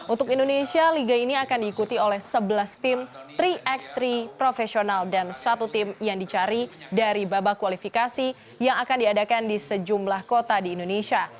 untuk indonesia liga ini akan diikuti oleh sebelas tim tiga x tiga profesional dan satu tim yang dicari dari babak kualifikasi yang akan diadakan di sejumlah kota di indonesia